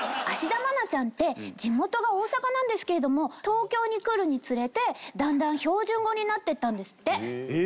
芦田愛菜ちゃんって地元が大阪なんですけれども東京に来るにつれてだんだん標準語になっていったんですって。